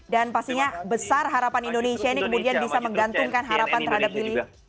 dan pastinya besar harapan indonesia ini kemudian bisa menggantungkan harapan terhadap bili